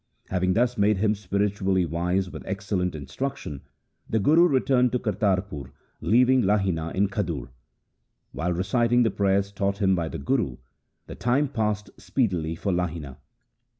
Having thus made him spiritually wise with excellent instruc tion, the Guru returned to Kartarpur, leaving Lahina in Khadur. While reciting the prayers taught him by the Guru, the time passed speedily for Lahina.